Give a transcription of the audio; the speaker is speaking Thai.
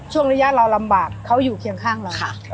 เพราะว่าญาติเราลำบากเขาอยู่เคียงข้างเรา